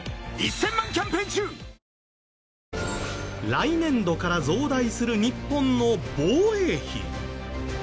来年度から増大する日本の防衛費。